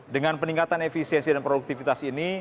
dengan peningkatan efisiensi dan produktivitas ini